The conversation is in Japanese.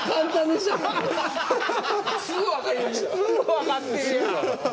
すぐ分かってるやん。